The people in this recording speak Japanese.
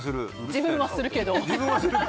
自分はするけど。